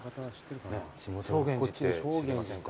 正眼寺って知りませんか？